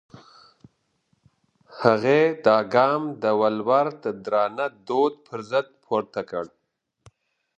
هغې دا ګام د ولور د درانه دود پر ضد پورته کړ.